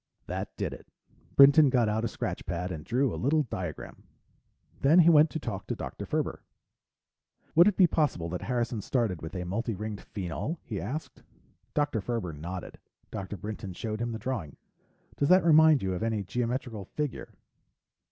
That did it. Brinton got out a scratch pad and drew a little diagram. Then he went to talk to Dr. Ferber. "Would it be possible that Harrison started with a multi ringed phenol?" he asked. Dr. Ferber nodded. Dr. Brinton showed him the drawing. "Does that remind you of any geometrical figure?"